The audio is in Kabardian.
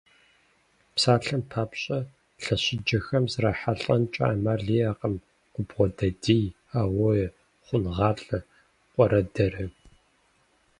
Псалъэм папщӏэ, лъэщыджэхэм зрахьэлӏэнкӏэ ӏэмал иӏэкъым губгъуэдадий, алоэ, хъунгъалӏэ, къуэрэдэрэ.